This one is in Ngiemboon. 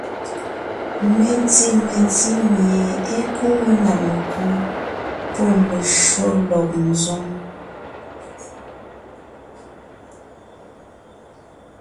Menti mentí mie é kúu na mekú pɔ́ meshÿó lélɔg ńzoŋ.